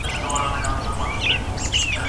ستا د سپینې پښې راپاتې یو پایزېب دی